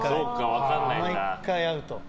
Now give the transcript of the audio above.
毎回アウト。